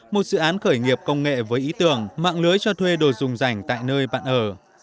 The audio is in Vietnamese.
một dự án khởi nghiệp công nghệ với ý tưởng mạng lưới cho thuê đồ dùng dành tại nơi bạn ở